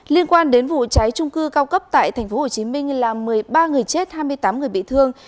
liên quan đến vụ cháy trung cư cao cấp tại tp hcm làm một mươi ba người chết hai mươi tám người bị thương